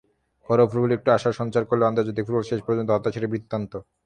ঘরোয়া ফুটবল একটু আশার সঞ্চার করলেও আন্তর্জাতিক ফুটবল শেষ পর্যন্ত হতাশারই বৃত্তান্ত।